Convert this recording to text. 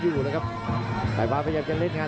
พยายามจะไถ่หน้านี่ครับการต้องเตือนเลยครับ